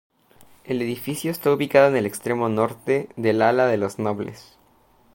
El edificio está ubicado en el extremo norte del ala de los nobles.